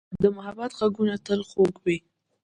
د محبت ږغونه تل خوږ وي.